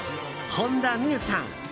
本田望結さん